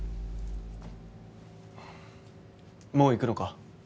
もう行くのか？